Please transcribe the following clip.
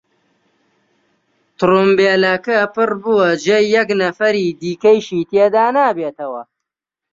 تڕومبێلەکە پڕ بووە، جێی یەک نەفەری دیکەشی تێدا نابێتەوە.